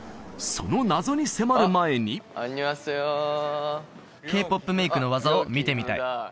その謎に迫る前にアニョハセヨーＫ−ＰＯＰメイクの技を見てみたい！